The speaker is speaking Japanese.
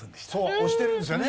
押してるんですよね。